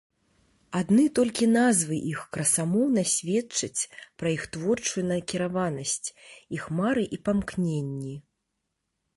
Адны толькі назвы іх красамоўна сведчаць пра іх творчую накіраванасць, іх мары і памкненні.